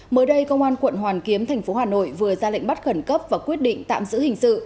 mới đây công an quận hoàn kiếm thành phố hà nội vừa ra lệnh bắt khẩn cấp và quyết định tạm giữ hình sự